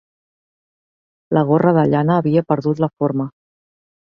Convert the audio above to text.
La gorra de llana havia perdut la forma